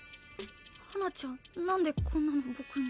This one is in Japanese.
華ちゃん何でこんなの僕に。